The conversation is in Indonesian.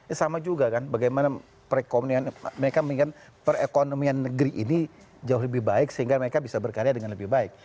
ya sama juga kan bagaimana mereka mengingatkan perekonomian negeri ini jauh lebih baik sehingga mereka bisa berkarya dengan lebih baik